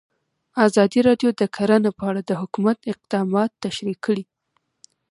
ازادي راډیو د کرهنه په اړه د حکومت اقدامات تشریح کړي.